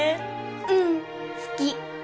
うん好き